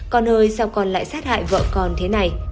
con ơi sao con lại sát hại vợ con thế này